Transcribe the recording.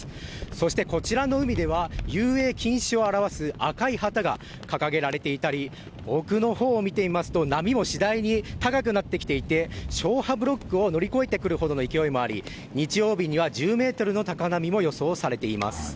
そして、こちらの海では遊泳禁止を表す赤い旗が掲げられていたり奥のほうを見てみますと波も次第に高くなってきていて消波ブロックを乗り越えてくるほどの勢いもあり日曜日には１０ｍの高波も予想されています。